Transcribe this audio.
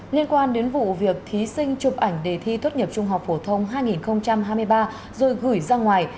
liên quan đến vụ việc thí sinh chụp ảnh đề thi tốt nghiệp trung học phổ thông hai nghìn hai mươi ba rồi gửi ra ngoài